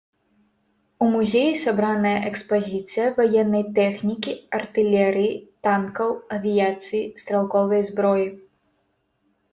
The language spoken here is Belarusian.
У музеі сабраная экспазіцыя ваеннай тэхнікі, артылерыі, танкаў, авіяцыі, стралковай зброі.